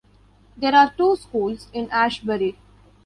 There are two schools in Ashbury.